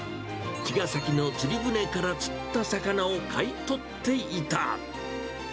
茅ヶ崎の釣り船から釣った魚を買い取っていた。